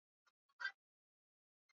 Viazi lishe ni chakula kitam